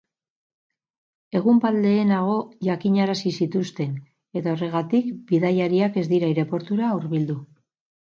Egun bat lehenago jakinarazi zituzten, eta horregatik bidaiariak ez dira aireportura hurbildu.